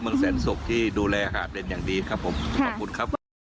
เมืองแสนศุกร์ที่ดูแลหาดเป็นอย่างดีครับผมขอบคุณครับ